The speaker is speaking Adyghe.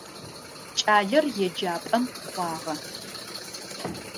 Кӏалэр еджапӏэм кӏуагъэ.